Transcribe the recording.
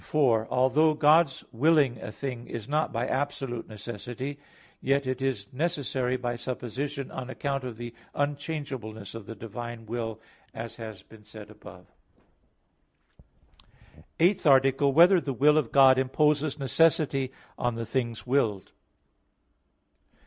4: Although God's willing a thing is not by absolute necessity, yet it is necessary by supposition, on account of the unchangeableness of the divine will, as has been said above (A. 3). _______________________ EIGHTH ARTICLE [I, Q. 19, Art. 8] Whether the Will of God Imposes Necessity on the Things Willed?